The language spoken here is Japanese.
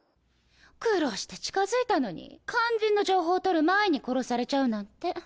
苦労して近づいたのに肝心の情報取る前に殺されちゃうなんて。